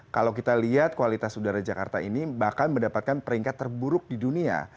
kalau kita lihat kualitas udara jakarta ini bahkan mendapatkan peringkat terburuk di dunia